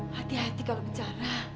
hati hati kalau bicara